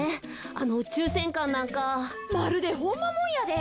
あのうちゅうせんかんなんか。まるでホンマもんやで。